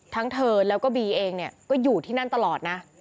ทั้งเธอแล้วก็บีเองเนี่ยก็อยู่ที่นั่นตลอดนะ